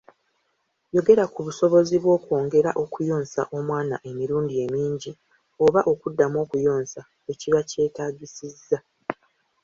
Yogera ku busobozi bw'okwongera okuyonsa omwana emirundi emingi oba okuddamu okuyonsa we kiba kyetaagisizza.